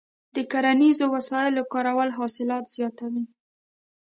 د کرنیزو وسایلو کارول حاصلات زیاتوي.